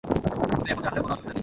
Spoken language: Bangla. কিন্তু এখন জানলেও কোন অসুবিধা নেই।